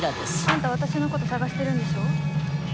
あんた私のこと捜してるんでしょ？